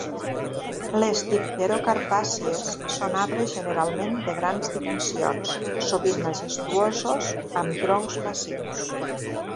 Les dipterocarpàcies són arbres generalment de grans dimensions, sovint majestuosos, amb troncs massius.